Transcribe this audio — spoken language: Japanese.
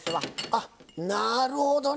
あなるほどね。